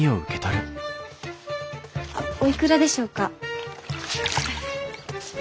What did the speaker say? あっおいくらでしょうか？